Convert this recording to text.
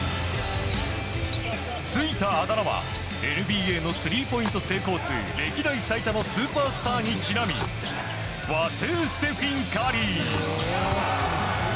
ついたあだ名はＮＢＡのスリーポイント成功数歴代最多のスーパースターにちなみ和製ステフィン・カリー。